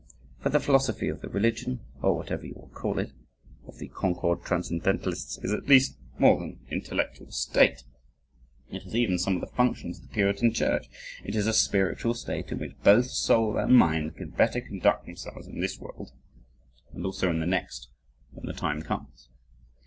For the philosophy of the religion, or whatever you will call it, of the Concord Transcendentalists is at least, more than an intellectual state it has even some of the functions of the Puritan church it is a spiritual state in which both soul and mind can better conduct themselves in this world, and also in the next when the time comes.